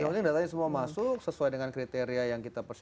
yang penting datanya semua masuk sesuai dengan kriteria yang kita persis